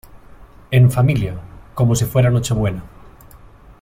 en familia , como si fuera Nochebuena .